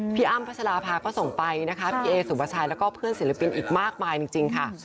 อ้ำพัชราภาก็ส่งไปนะคะพี่เอสุปชัยแล้วก็เพื่อนศิลปินอีกมากมายจริงค่ะ